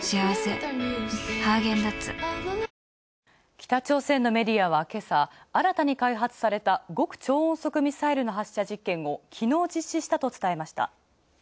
北朝鮮のメディアはけさ新たに開発された極超音速ミサイルの発射実験をきのう実施したと伝えました。